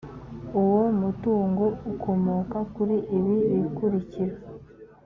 uwo mutungo ukomoka kuri ibi bikurikira